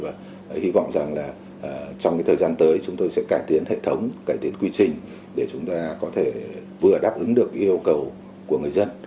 và hy vọng rằng là trong cái thời gian tới chúng tôi sẽ cải tiến hệ thống cải tiến quy trình để chúng ta có thể vừa đáp ứng được yêu cầu của người dân